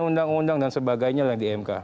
undang undang dan sebagainya lah di mk